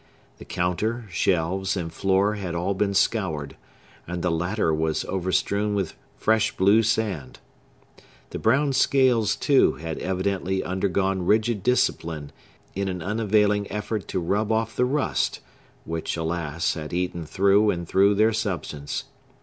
The counter, shelves, and floor had all been scoured, and the latter was overstrewn with fresh blue sand. The brown scales, too, had evidently undergone rigid discipline, in an unavailing effort to rub off the rust, which, alas! had eaten through and through their substance.